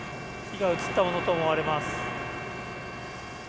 火が移ったものと思われます。